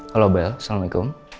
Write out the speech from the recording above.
halo bel assalamu'alaikum